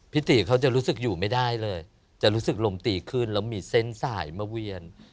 พี่ตีเขาจะรู้สึกอยู่ไม่ได้เลยจะรู้สึกลมตีขึ้นแล้วมีเส้นสายมาเวียน